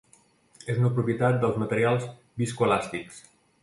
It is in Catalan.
És una propietat dels materials viscoelàstics.